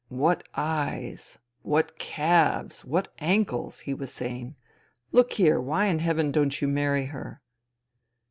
*' What eyes ! What calves I What ankles !" he was saying. " Look here, why in heaven don't you marry her